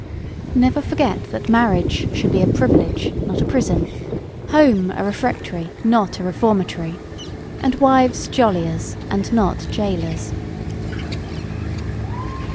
Never forget that marriage should be a privilege, not a prison; home a refectory, not a reformatory; and wives jolliers, and not jailers.